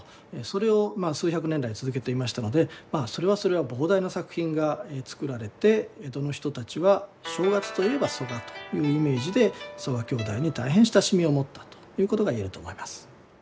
それを数百年来続けていましたのでそれはそれは膨大な作品が作られて江戸の人たちは「正月といえば曽我」というイメージで曽我兄弟に大変親しみを持ったということが言えると思います。